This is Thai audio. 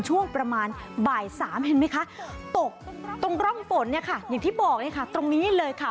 ช่วงประมาณบ่ายสามเห็นไหมคะตกตรงร่องฝนเนี่ยค่ะอย่างที่บอกเลยค่ะตรงนี้เลยค่ะ